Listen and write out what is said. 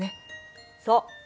そう。